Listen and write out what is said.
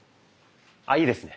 あいいですね。